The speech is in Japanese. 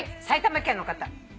埼玉県の方。